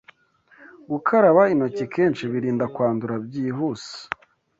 Gukaraba intoki kenshi birinda kwandura byihuse